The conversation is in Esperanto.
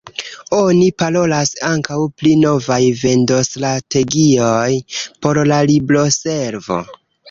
Oni parolas ankaŭ pri novaj vendostrategioj por la libroservo.